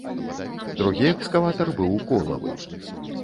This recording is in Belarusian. Другі экскаватар быў колавы.